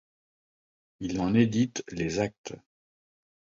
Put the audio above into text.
Il en édite les actes.